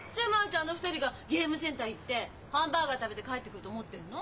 ちゃんあの２人がゲームセンター行ってハンバーガー食べて帰ってくると思ってんの？